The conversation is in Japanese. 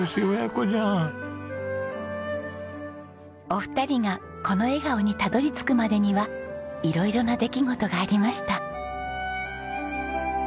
お二人がこの笑顔にたどり着くまでには色々な出来事がありました。